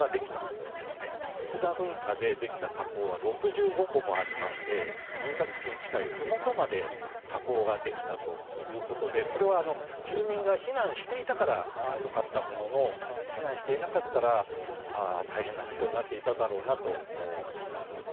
有珠山噴火でできた火口は６５個もありまして住宅地に近い麓まで火口ができたということでこれは住民が避難していたからよかったものの避難していなかったら大変なことになっていただろうなと思います。